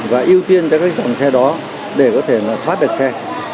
và ưu tiên cho cái dòng xe đó để có thể thoát được xe